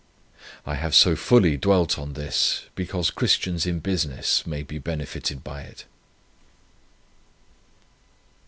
I have so fully dwelt on this, because Christians in business may be benefited by it."